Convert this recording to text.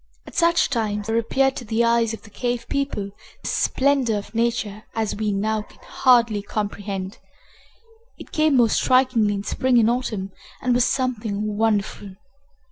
At such times there appeared to the eyes of the cave people the splendor of nature such as we now can hardly comprehend. It came most strikingly in spring and autumn, and was something wonderful.